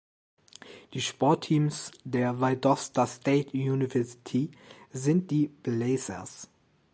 Die Sportteams der Valdosta State University sind die "Blazers".